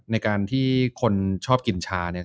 ในการที่คนชอบกินชา